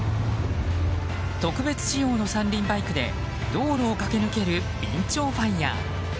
特別仕様の三輪バイクで道路を駆け抜けるビンチョウファイヤー。